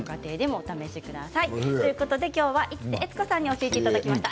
今日は市瀬悦子さんに教えていただきました。